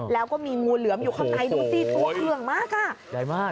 แล้วก็มีงูเหลือมอยู่ข้างในดูสิตัวเหลือมมากอ่ะ